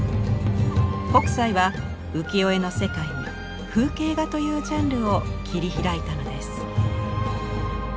北斎は浮世絵の世界に「風景画」というジャンルを切り開いたのです。